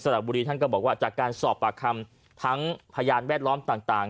รับบุรีท่านก็บอกว่าจากการสอบปากคำทั้งพยานแวดล้อมต่าง